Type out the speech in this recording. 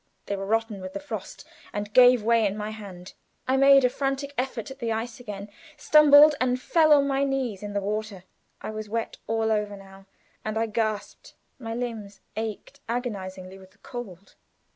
They were rotten with the frost and gave way in my hand. I made a frantic effort at the ice again; stumbled and fell on my knees in the water. I was wet all over now, and I gasped. My limbs ached agonizingly with the cold.